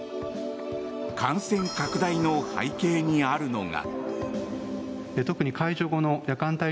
感染拡大の背景にあるのが。